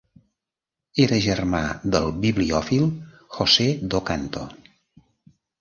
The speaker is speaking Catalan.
Era germà del bibliòfil José do Canto.